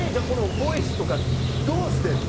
『ボイス』とかどうしてんの？